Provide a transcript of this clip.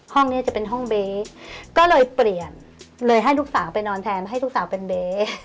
ห้องนี้จะเป็นห้องเบ๊ก็เลยเปลี่ยนเลยให้ลูกสาวไปนอนแทนให้ลูกสาวเป็นเบ๊